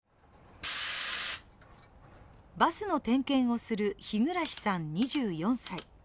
バスの点検をする、日暮さん２４歳。